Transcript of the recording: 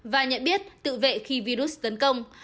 và nhận biết tự vệ khi virus tấn công